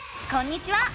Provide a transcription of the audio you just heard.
こんにちは！